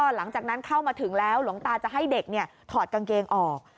หลังจากนั้นเข้ามาถึงแล้วหลวงตาจะให้เด็กถอดกางเกงออก